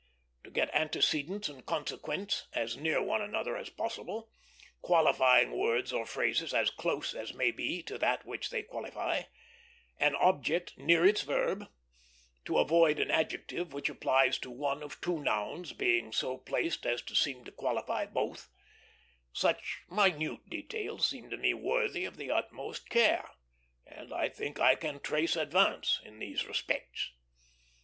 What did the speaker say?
To get antecedents and consequents as near one another as possible; qualifying words or phrases as close as may be to that which they qualify; an object near its verb; to avoid an adjective which applies to one of two nouns being so placed as to seem to qualify both; such minute details seem to me worthy of the utmost care, and I think I can trace advance in these respects.